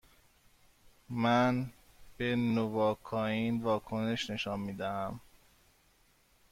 من به نواکائین واکنش نشان می دهم.